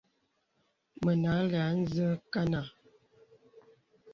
Mə àlə̀ ā nzə kanà.